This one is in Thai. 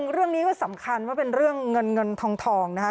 เรื่องนี้ก็สำคัญว่าเป็นเรื่องเงินเงินทองนะคะ